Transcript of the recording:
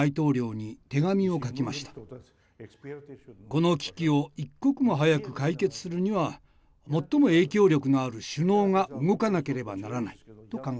この危機を一刻も早く解決するには最も影響力のある首脳が動かなければならないと考えました。